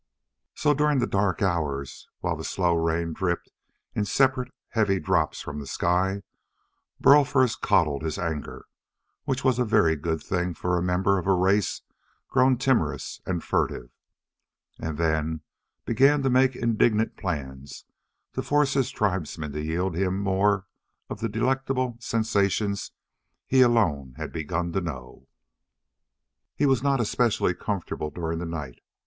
So during the dark hours, while the slow rain dipped in separate, heavy drops from the sky, Burl first coddled his anger which was a very good thing for a member of a race grown timorous and furtive and then began to make indignant plans to force his tribesmen to yield him more of the delectable sensations he alone had begun to know. He was not especially comfortable during the night.